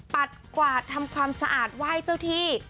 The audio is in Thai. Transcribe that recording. กวาดทำความสะอาดไหว้เจ้าที่